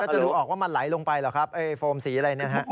มันก็จะรู้ออกว่ามันไหลลงไปหรือครับโฟมสีอะไรเนี่ยครับ